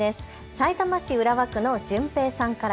さいたま市浦和区の純平さんから。